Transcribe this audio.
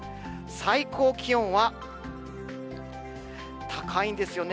最高気温は高いんですよね。